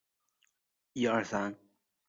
秦时朝歌邑属三川郡。